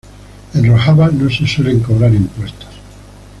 En Rojava no se suele cobrar impuestos.